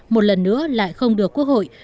một lần nữa lại không được quốc hội